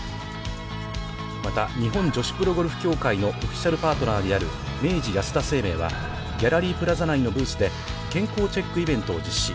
また、日本女子プロゴルフ協会のオフィシャルパートナーである明治安田生命は、ギャラリープラザ内のブースで健康チェックイベントを実施。